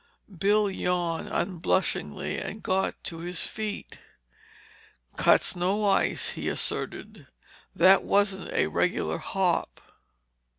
Bill yawned unblushingly and got to his feet. "Cuts no ice," he asserted. "That wasn't a regular hop."